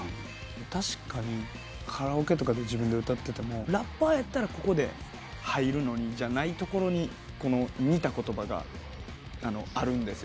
確かにカラオケとかで自分で歌っててもラッパーやったらここで入るのにじゃないところに似た言葉があるんですよ。